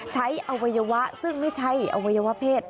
ใช้อวัยวะซึ่งไม่ใช่อวัยวะเพศ